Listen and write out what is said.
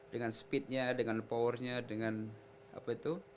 dengan speednya dengan powernya dengan apa itu